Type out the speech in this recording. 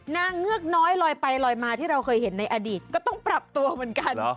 เงือกน้อยลอยไปลอยมาที่เราเคยเห็นในอดีตก็ต้องปรับตัวเหมือนกัน